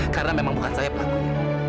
karena memang bukan saya yang melakukannya